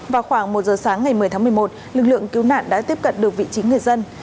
vào khoảng một giờ sáng ngày một mươi tháng một mươi một lực lượng cứu nạn đã tiếp cận được vị trí người dân